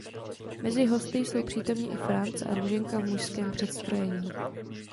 Mezi hosty jsou přítomni i Franz a Růženka v mužském přestrojení.